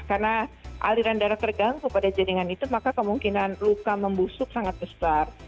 karena aliran darah terganggu pada jaringan itu maka kemungkinan luka membusuk sangat besar